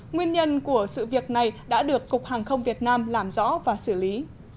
nguyên nhân của sự việc này đã được cục hàng không việt nam làm rõ và xử lý